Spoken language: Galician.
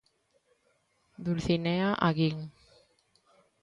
Dulcinea Aguín.